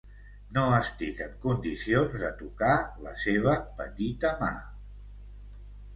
No estic en condicions de tocar la seva petita mà.